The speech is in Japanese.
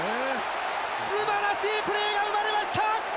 素晴らしいプレーが生まれました